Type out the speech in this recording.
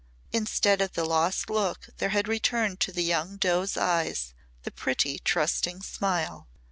Instead of the lost look there had returned to the young doe's eyes the pretty trusting smile.